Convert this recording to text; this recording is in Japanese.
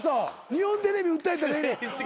日本テレビ訴えたらええねん。